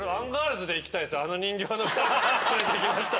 「あの人形の２人連れてきました」